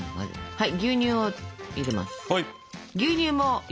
はい。